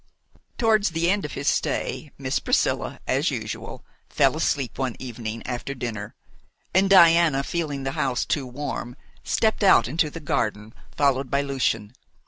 Towards the end of his stay Miss Priscilla as usual fell asleep one evening after dinner, and Diana, feeling the house too warm, stepped out into the garden, followed by Lucian.